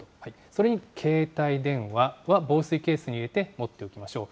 それに携帯電話は防水ケースに入れて持っておきましょう。